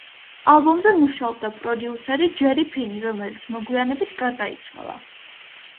ალბომზე მუშაობდა პროდიუსერი ჯერი ფინი, რომელიც მოგვიანებით გარდაიცვალა.